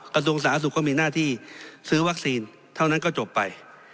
กระทรวงสาธารณสุขก็มีหน้าที่ซื้อวัคซีนเท่านั้นก็จบไป